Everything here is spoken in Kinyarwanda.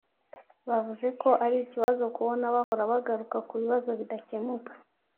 Bavuze ko ari ikibazo kubona bahora bagaruka ku bibazo bidakemuka